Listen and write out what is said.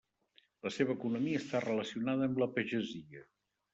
La seva economia està relacionada amb la pagesia.